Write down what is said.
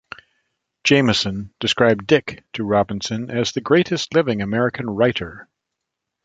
Jameson described Dick to Robinson as the greatest living American writer.